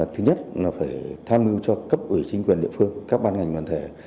thứ nhất là phải tham ngưng cho cấp ủy chính quyền địa phương các ban ngành bản thể